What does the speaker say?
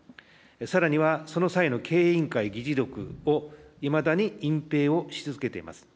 さらには、その際の経営委員会議事録を、いまだに隠蔽をし続けています。